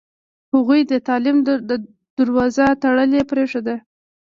هغوی د تعلیم دروازه تړلې پرېښوده.